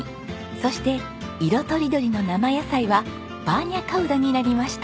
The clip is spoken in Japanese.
そして色とりどりの生野菜はバーニャカウダになりました。